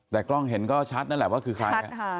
แต่กล้องเห็นก็ชัดนั่นแหละว่าคือใคร